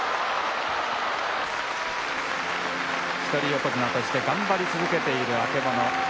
一人横綱として頑張り続けている曙。